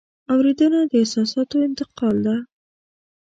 اورېدنه د احساساتو انتقال ده.